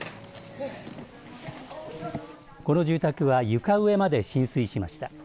この住宅は床上まで浸水しました。